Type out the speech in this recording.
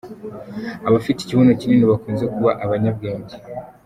Abafite ikibuno kinini bakunze kuba abanyabwenge.